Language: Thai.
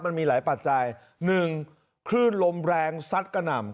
มันมีหลายปัจจัยหนึ่งคลื่นลมแรงซัดกระหน่ำ